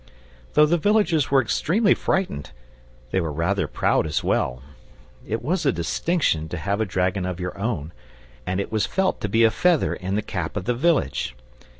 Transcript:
Though the villagers were extremely frightened, they were rather proud as well. It was a distinction to have a dragon of your own, and it was felt to be a feather in the cap of the village.